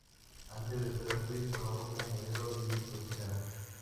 Antes de ser actriz, trabajó como modelo y cocinera.